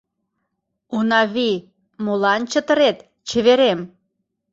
— Унавий, молан чытырет, чеверем?